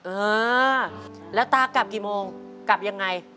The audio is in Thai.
เออแล้วตากลับกี่โมงกลับยังไง